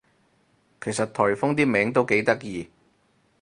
其實颱風啲名都幾得意